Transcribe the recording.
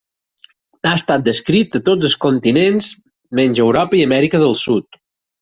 Ha estat descrit a tots els continents menys a Europa i Amèrica del Sud.